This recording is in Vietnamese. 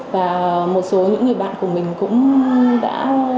và một số những người bạn của mình cũng đã